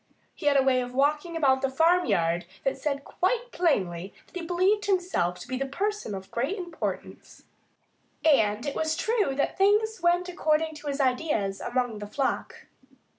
He had a way of walking about the farmyard that said quite plainly that he believed himself to be a person of great importance. And it was true that things went according to his ideas, among the flock.